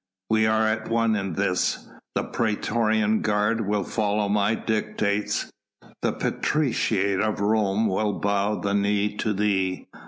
We are at one in this: the praetorian guard will follow my dictates, the patriciate of Rome will bow the knee to thee.